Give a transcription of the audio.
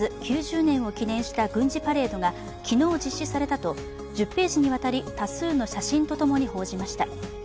９０年を記念した軍事パレードが昨日実施されたと１０ページにわたり多数の写真とともに報じました。